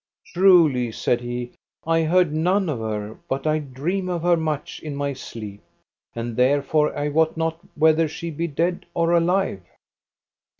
Truly, said he, I heard none of her, but I dream of her much in my sleep; and therefore I wot not whether she be dead or alive.